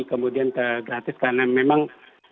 kemudian tergratis karena memang